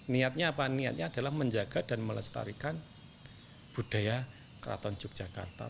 niatnya apa niatnya adalah menjaga dan melestarikan budaya keraton yogyakarta